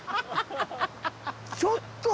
ちょっと。